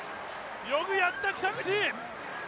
よくやった、北口。